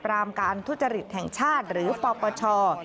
รามการทุจริตแห่งชาติหรือปปช